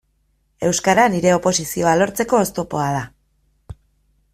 Euskara nire oposizioa lortzeko oztopoa da.